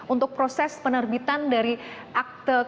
untuk proses penerbitan dari akte kematian